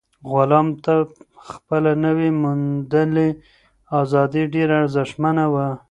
غلام ته خپله نوي موندلې ازادي ډېره ارزښتمنه وه.